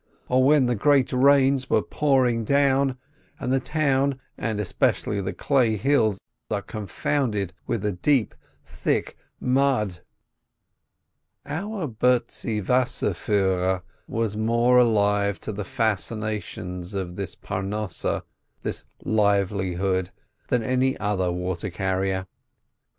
Or when the great rains were pouring down, and the town and especially the clay hill are confounded with the deep, thick mud ! Our Bertzi Wasserfiihrer was more alive to the fascin ations of this Parnosseh than any other water carrier.